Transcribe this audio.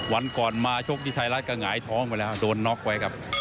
วันก่อนมาชกที่ไทยรัฐก็หงายท้องไปแล้วโดนน็อกไว้ครับ